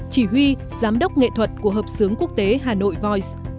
chỉ huy giám đốc nghệ thuật của hợp xướng quốc tế hà nội voice